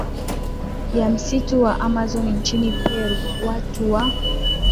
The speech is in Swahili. ya msitu wa Amazon nchini Peru watu wa